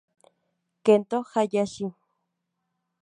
Kento Hayashi